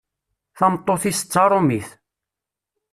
Tameṭṭut-is d taṛumit.